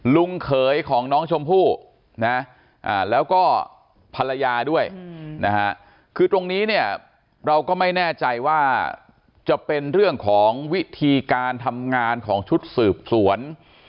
เขยของน้องชมพู่นะแล้วก็ภรรยาด้วยนะฮะคือตรงนี้เนี่ยเราก็ไม่แน่ใจว่าจะเป็นเรื่องของวิธีการทำงานของชุดสืบสวน